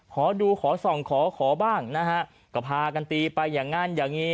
ขอดูขอส่องขอขอบ้างนะฮะก็พากันตีไปอย่างนั้นอย่างนี้